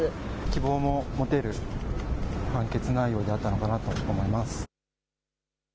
希望も持てる判決内容であったのかなと思います。